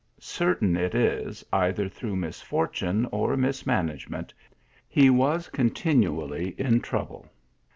Certain it is, either through misfortune or misman agement, he was continually in trouble.